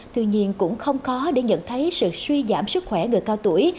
tuy nhiên cũng không khó để nhận thấy sự suy giảm sức khỏe người cao tuổi